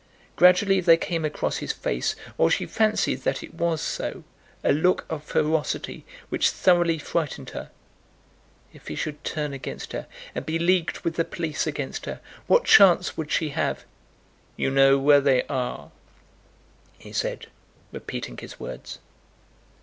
Gradually there came across his face, or she fancied that it was so, a look of ferocity which thoroughly frightened her. If he should turn against her, and be leagued with the police against her, what chance would she have? "You know where they are," he said, repeating his words.